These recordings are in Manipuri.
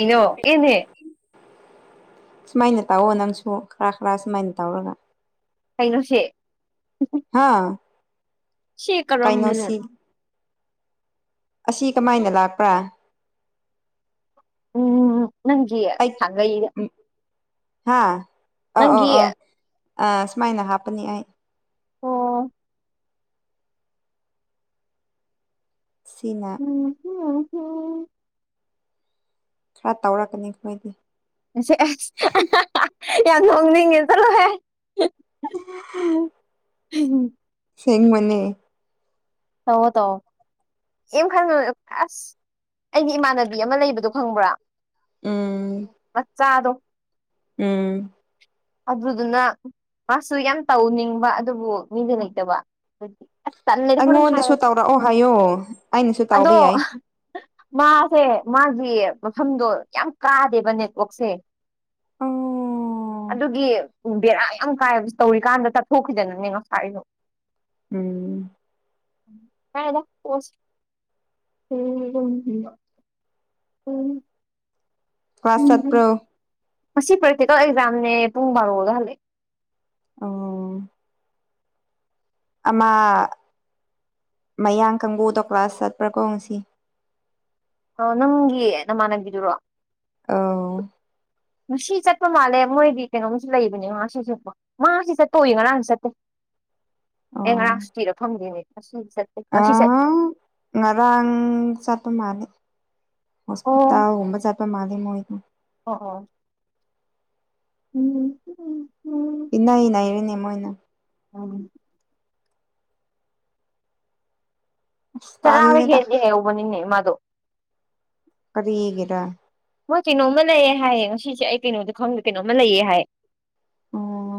ꯏꯩꯅꯣ ꯌꯦꯅꯦ [unintelligible] ꯁꯨꯃꯥꯏꯅ ꯇꯥꯎꯑꯣ ꯅꯪꯁꯨ ꯈꯔ ꯈꯔ ꯁꯨꯃꯥꯏꯅ ꯇꯧꯔꯒ ꯀꯩꯅꯣ ꯁꯦ ꯍꯥꯥ ꯁꯤ ꯀꯔꯝꯕꯅꯣ ꯑꯁꯤ ꯀꯃꯥꯏꯅ ꯂꯥꯛꯄ꯭ꯔꯥ ꯎꯝ ꯅꯪꯒꯤ ꯑꯩ ꯁꯥꯒꯩꯗ ꯍꯥ ꯑꯣ ꯑꯣ ꯑꯣ ꯑꯥ ꯁꯨꯃꯥꯏꯅ ꯍꯥꯞꯄꯅꯤ ꯑꯩ ꯑꯣ ꯁꯤꯅꯥ ꯎꯝꯝꯝ [inaudible] ꯈꯔ ꯇꯧꯔꯛꯀꯅꯤ ꯑꯩꯈꯣꯏꯗꯤ ꯌꯥꯝ ꯅꯣꯛꯅꯤꯡꯉꯦꯍꯦ ꯆꯠꯂꯨꯍꯦ ꯝ [inaudible] ꯑꯁꯦꯡꯕꯅꯦ ꯇꯧꯔꯣ ꯇꯧꯔꯣ ꯀꯩꯝ ꯈꯟꯉꯨ ꯑꯁ ꯑꯩꯗꯤ ꯏꯃꯥꯟꯅꯕꯤ ꯑꯃ ꯂꯩꯕꯗꯣ ꯈꯪꯕ꯭ꯔꯥ ꯎꯝ ꯃꯆꯥꯗꯣ ꯎꯝ ꯑꯗꯨꯗꯨꯅ ꯃꯥꯁꯨ ꯌꯥꯝ ꯇꯧꯅꯤꯡꯕ ꯑꯗꯨꯕꯨ ꯃꯤꯗꯤ ꯂꯩꯇꯕ ꯑꯗꯨꯗꯤ ꯑꯩꯉꯣꯟꯗꯁꯨ ꯇꯧꯔꯛꯑꯣ ꯍꯥꯏꯌꯣ ꯑꯩꯅꯁꯨ ꯑꯗꯣ ꯇꯧꯕ ꯌꯥꯏꯌꯦ ꯃꯥꯁꯦ ꯃꯥꯒꯤ ꯃꯐꯝꯗꯣ ꯌꯥꯝ ꯀꯥꯗꯦꯕ ꯅꯦꯠꯋꯥꯛꯁꯦ ꯑꯣ ꯑꯗꯨꯒꯤ ꯕꯦꯔꯥ ꯌꯥꯝ ꯀꯥꯏꯕ ꯇꯧꯔꯤꯀꯥꯟꯗ ꯆꯠꯊꯣꯛꯈꯤꯗꯅꯅꯦ ꯉꯁꯥꯏꯒꯤꯗꯣ ꯎꯝ [unintelligible] ꯄꯣꯁ [inaudible] ꯀ꯭ꯂꯥꯁ ꯆꯠꯄ꯭ꯔꯣ ꯉꯁꯤ ꯄ꯭ꯔꯦꯛꯇꯤꯀꯦꯜ ꯑꯦꯛꯖꯥꯝꯅꯦ ꯄꯨꯡ ꯕꯥꯔꯣꯗ ꯍꯜꯂꯛꯑꯦ ꯑꯥꯎ ꯑꯃ ꯃꯌꯥꯡ ꯀꯥꯡꯕꯨꯗꯣ ꯀ꯭ꯂꯥꯁ ꯆꯠꯄ꯭ꯔꯥꯀꯣ ꯉꯁꯤ ꯑꯣ ꯅꯪꯒꯤ ꯅꯃꯥꯟꯅꯕꯤꯗꯨꯔꯣ ꯑꯥꯎ ꯉꯁꯤ ꯆꯠꯄ ꯃꯥꯜꯂꯦ ꯃꯣꯏꯒꯤ ꯀꯩꯅꯣꯝꯁꯨ ꯂꯩꯕꯅꯦ ꯉꯥꯁꯤ ꯆꯠꯄ ꯃꯥ ꯉꯁꯤ ꯆꯠꯄ ꯎꯏ ꯉꯔꯥꯡꯗꯤ ꯆꯠꯇꯦ ꯑꯦ ꯑꯣ ꯉꯔꯥꯡ ꯁꯨꯇꯤꯔ ꯈꯪꯗꯦꯅꯦ ꯉꯁꯤꯗꯤ ꯆꯠꯇꯦ ꯑ ꯉꯁꯤ ꯆꯠ ꯉꯔꯥꯡ ꯆꯠꯄ ꯃꯥꯜꯂꯦ ꯍꯣꯁꯄꯤꯇꯥꯜꯒꯨꯝꯕ ꯆꯠꯄ ꯃꯥꯜꯂꯦ ꯃꯣꯏꯗꯣ ꯑꯣ ꯑꯣ ꯎꯝ ꯍꯨꯝ ꯎꯝ [inaudible] ꯏꯅꯩꯅꯩꯔꯦꯅꯦ ꯃꯣꯏꯅ ꯎꯝ ꯑꯁ ꯆꯔꯥꯒ ꯇꯜꯂꯦꯗ ꯍꯦꯜꯂꯦ ꯍꯥꯏꯍꯧꯕꯅꯤꯅꯦ ꯃꯗꯣ ꯀꯔꯤ ꯒꯤꯔ ꯃꯣꯏ ꯀꯩꯅꯣꯝꯃ ꯂꯩꯌꯦ ꯍꯥꯏꯌꯦ ꯉꯁꯤꯁꯦ ꯑꯩ ꯀꯩꯅꯣꯗꯤ ꯈꯪꯗꯦ ꯀꯩꯅꯣꯝꯃ ꯂꯩꯌꯦ ꯍꯥꯏꯌꯦ ꯑꯣ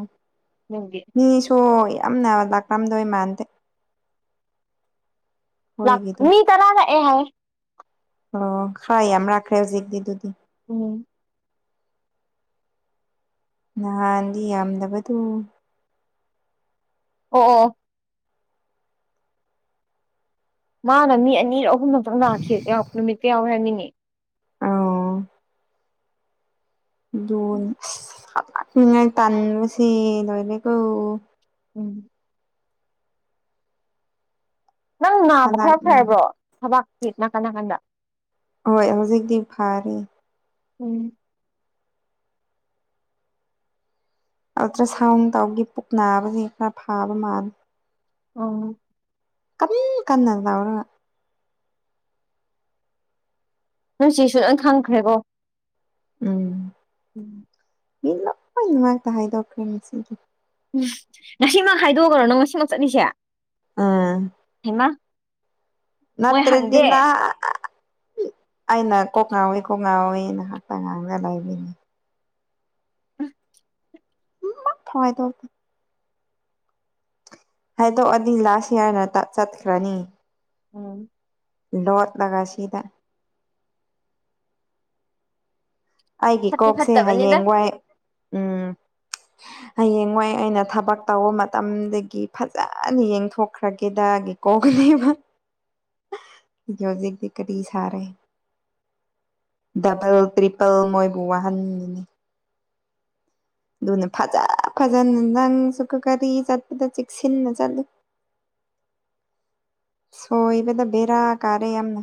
ꯅꯨꯡꯒꯤ ꯃꯤꯁꯨ ꯌꯥꯝꯅ ꯂꯥꯛꯀꯝꯗꯣꯏ ꯃꯥꯟꯗꯦ ꯂꯥꯛ ꯑꯩꯈꯣꯏꯒꯤꯗꯣ ꯃꯤ ꯇꯔꯥ ꯂꯥꯛꯑꯦ ꯍꯥꯏꯌꯦ ꯑꯣ ꯈꯥꯔ ꯌꯥꯝ ꯔꯛꯈꯔ‌ꯦ ꯍꯧꯖꯤꯛꯗꯤ ꯗꯨꯗꯤ ꯎꯝ ꯅꯍꯥꯟꯗꯤ ꯌꯥꯝꯗꯕꯗꯨ ꯑꯣ ꯑꯣ ꯃꯥꯅ ꯃꯤ ꯑꯅꯤꯔꯛ ꯑꯍꯨꯝꯂꯛꯇꯪ ꯂꯥꯛꯈꯤ ꯌꯥꯝ ꯅꯨꯃꯤꯠ ꯀꯌꯥꯝ ꯑꯣꯏꯍꯟꯅꯤꯡꯉꯤ ꯑꯥꯎ ꯑꯗꯨꯟ ꯑꯁ ꯍꯧꯒꯠꯅꯤꯉꯥꯏ ꯇꯟꯕꯁꯤ ꯂꯣꯏꯔꯦꯀꯣ ꯎꯝ ꯅꯪ ꯅꯥꯕ ꯍꯜꯂꯛ ꯈꯔ ꯐꯔꯕ꯭ꯔꯣ ꯊꯕꯛꯀꯤ ꯅꯥꯀꯟ ꯅꯥꯀꯟꯗ ꯍꯣꯏ ꯍꯧꯖꯤꯛꯗꯤ ꯐꯥꯔꯦ ꯎꯝ ꯑꯜꯇ꯭ꯔ ꯁꯥꯎꯟ ꯇꯧꯒꯤ ꯄꯨꯛ ꯅꯥꯕꯁꯤ ꯈꯔ ꯐꯥꯕ ꯃꯥꯟ ꯑꯣ ꯀꯔꯤ ꯀꯟꯅ ꯂꯥꯎꯔꯒ ꯅꯣꯏ ꯆꯦꯁꯨ ꯈꯪꯈ꯭ꯔꯦꯀꯣ ꯎꯝ ꯎꯝ ꯃꯤ ꯂꯣꯏꯅꯃꯛꯇ ꯍꯥꯏꯗ‌ꯣꯛꯈ꯭ꯔꯦ ꯉꯁꯤꯒꯤ ꯉꯁꯤꯃꯛ ꯍꯥꯏꯗꯣꯛꯑꯒꯔꯣ ꯅꯪ ꯉꯁꯤꯃꯛ ꯆꯠꯂꯤꯁꯦ ꯑꯥ ꯍꯩꯃꯥ ꯃꯣꯏ ꯅꯠꯇ꯭ꯔꯗꯤ ꯍꯪꯗꯦ ꯅꯥꯍ ꯑꯩꯅ ꯀꯣꯛ ꯉꯥꯎꯋꯤ ꯀꯣꯛ ꯉꯥꯎꯋꯤ ꯉꯥꯏꯍꯥꯛꯇꯪ ꯉꯥꯡꯅ ꯂꯩꯕꯅꯤ ꯑꯃꯐꯥꯎ ꯍꯥꯏꯗꯣꯛꯇꯦ ꯍꯥꯏꯗꯣꯛꯑꯗꯤ ꯂꯥꯁ ꯏꯌꯔ ꯉꯥꯇ ꯆꯠꯈ꯭ꯔꯅꯤ ꯎꯝ ꯂꯣꯠꯂꯥꯒ ꯁꯤꯗ ꯑꯩꯒꯤ ꯐꯠꯇꯤ ꯀꯣꯛꯁꯦ ꯐꯠꯇꯕꯅꯤꯗ ꯍꯌꯦꯡ ꯋꯥꯏ ꯎꯝ ꯍꯌꯦꯡꯋꯥꯏ ꯑꯩꯅ ꯊꯕꯛ ꯇꯧꯕ ꯃꯇꯝꯗꯒꯤ ꯐꯖꯅ ꯌꯦꯡꯊꯣꯛꯈ꯭ꯔꯒꯦꯗꯥꯒꯤ [unintelligible] [unintelligible] ꯖꯤꯛꯇꯤ ꯀꯔꯤ ꯁꯥꯔꯦ ꯗꯕꯜ ꯇ꯭ꯔꯤꯄꯜ ꯃꯣꯏꯕꯨ ꯋꯥꯍꯟꯒꯅꯤ ꯑꯗꯨꯅ ꯐꯖ ꯐꯖꯅ ꯅꯪꯁꯨ ꯒ ꯒꯔꯤ ꯆꯠꯄꯗ ꯆꯦꯛꯁꯤꯟꯅ ꯆꯠꯂꯨ ꯁꯣꯏꯕꯗ ꯕꯦꯔꯥ ꯀꯥꯔꯦ ꯌꯥꯝꯅ